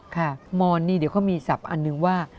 ค่ะมอนนี่เดี๋ยวเขามีศัพท์อันหนึ่งว่า